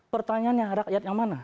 pertanyaannya rakyat yang mengapa